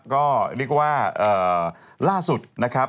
ก็เรียกว่าล่าสุดนะครับ